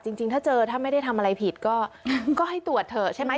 จริงถ้าเจอถ้าไม่ได้ทำอะไรผิดก็ให้ตรวจเถอะใช่ไหม